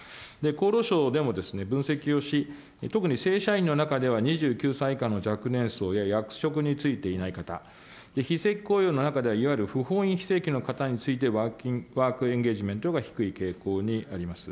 厚労省でも、分析をし、特に正社員の中では２９歳以下の若年層や役職に就いていない方、非正規雇用の中では、いわゆる不本意非正規の方について、ワークエンゲージメントが低い傾向にあります。